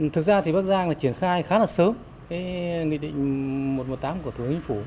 thực ra thì bắc giang là chuyển khai khá là sớm cái nghị định một trăm một mươi tám của thủy hình phủ